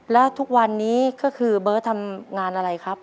แล้วทุกวันนี้ก็คือเบิร์ตทำงานอะไรครับ